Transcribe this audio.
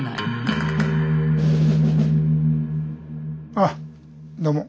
あどうも。